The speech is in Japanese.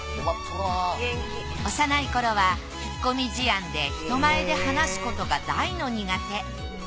幼い頃は引っ込み思案で人前で話すことが大の苦手。